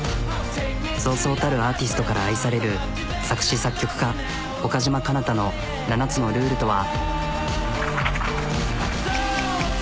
そうそうたるアーティストから愛される作詞作曲家岡嶋かな多の７つのルールとは。